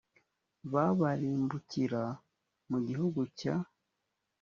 ba barimbukira mu gihugu cya